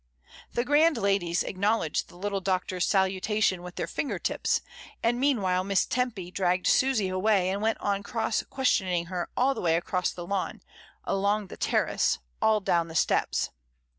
The grand ladies acknowledged the little Doctor's salutation with their finger tips, and meanwhile Miss Tempy dragged Susy away and went on cross ques tioning her all the way across the lawn; along the terrace, all down the steps.